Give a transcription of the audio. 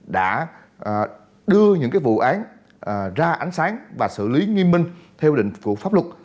đã đưa những vụ án ra ánh sáng và xử lý nghiêm minh theo định của pháp luật